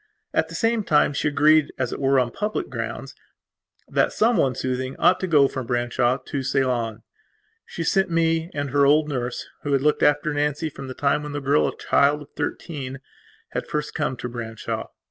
At the same time she agreed, as it were, on public grounds, that someone soothing ought to go from Branshaw to Ceylon. She sent me and her old nurse, who had looked after Nancy from the time when the girl, a child of thirteen, had first come to Branshaw.